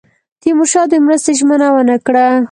تیمورشاه د مرستې ژمنه ونه کړه.